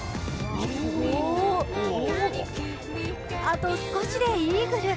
あと少しでイーグル。